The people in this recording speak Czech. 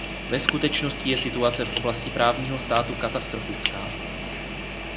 Ve skutečnosti je situace v oblasti právního státu katastrofická.